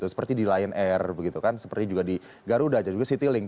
seperti di lion air seperti juga di garuda dan juga citylink